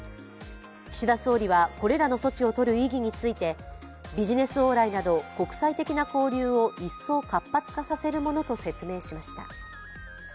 岸田総理はこれらの措置を取る意義について、ビジネス往来など国際的交流を一層活発化するものと説明しました。